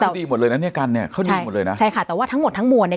เขาดีหมดเลยนะเนี่ยกันเนี้ยเขาดีหมดเลยนะใช่ค่ะแต่ว่าทั้งหมดทั้งมวลเนี่ย